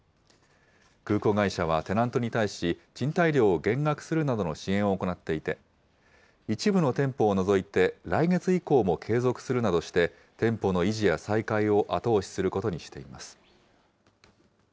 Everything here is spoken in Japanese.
空港会社はテナントに対し、賃貸料を減額するなどの支援を行っていて、一部の店舗を除いて、来月以降も継続するなどして、店舗の維持や再開を後押しすることにしています。